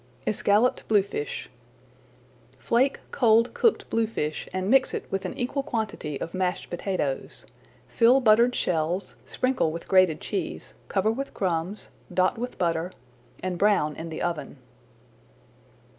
ESCALLOPED BLUEFISH Flake cold cooked bluefish and mix it with an equal quantity of mashed potatoes. Fill buttered shells, sprinkle with grated cheese, cover with crumbs, dot with butter, and brown in the oven.